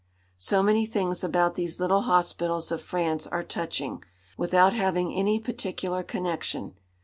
So many things about these little hospitals of France are touching, without having any particular connection.